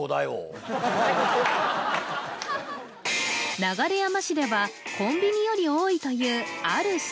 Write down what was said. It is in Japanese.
流山市ではコンビニより多いというある施設